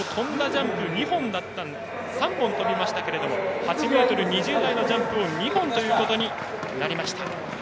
ジャンプ３本跳びましたけれども８ｍ２０台のジャンプを２本ということになりました。